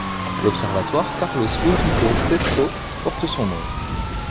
L'observatoire Carlos Ulrrico Cesco porte son nom.